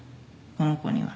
この子には。